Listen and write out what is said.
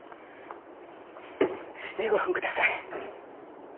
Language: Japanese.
１５分ください。